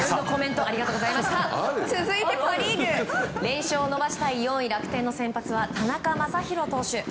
続いてパ・リーグ連勝を伸ばしたい楽天の先発は田中将大選手。